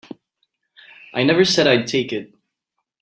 I never said I'd take it.